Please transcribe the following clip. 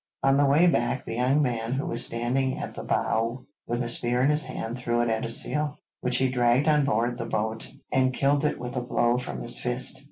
On the way back the young man who was standing at the bow with a spear in his hand threw it at a seal, which he dragged on board the boat, and killed it with a blow from his fist.